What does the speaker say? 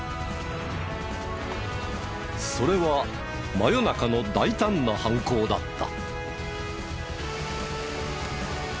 それは真夜中の大胆な犯行だった。